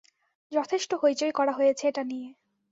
যথেষ্ট হৈচৈ করা হয়েছে এটা নিয়ে।